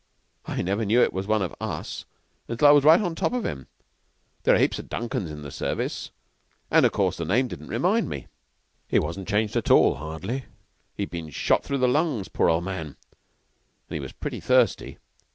I never knew it was one of us till I was right on top of him. There are heaps of Duncans in the service, and of course the name didn't remind me. He wasn't changed at all hardly. He'd been shot through the lungs, poor old man, and he was pretty thirsty.